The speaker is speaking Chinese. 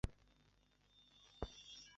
属福州长乐郡。